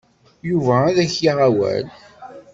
Yuba ad ak-yaɣ awal.